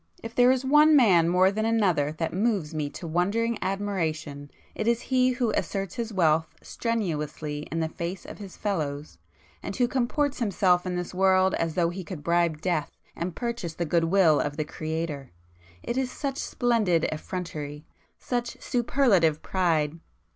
If there is one man more than another that moves me to wondering admiration it is he who asserts his wealth strenuously in the face of his fellows, and who comports himself in this world as though he could bribe death and purchase the good will of the Creator. It is such splendid effrontery,—such superlative pride!